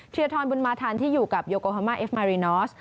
ทรบุญมาทันที่อยู่กับโยโกฮามาเอฟมารินอส